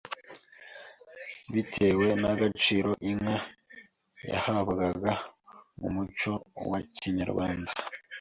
bitewe n’agaciro inka yahabwaga mu muco wa Kinyarwanda